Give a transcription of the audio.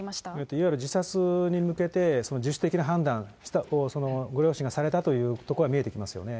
いわゆる自殺に向けて自主的な判断、ご両親がされたということは見えてきますよね。